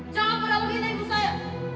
jangan pernah mina ibu saya